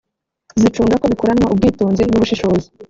zicunga ko bikoranwa ubwitonzi n’ubushishozi